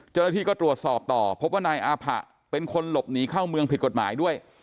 เจ้าหน้าที่ก็ตรวจสอบต่อพบว่านายอาผะเป็นคนหลบหนีเข้าเมืองผิดกฎหมายด้วย